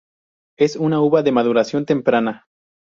Es una uva de maduración temprana.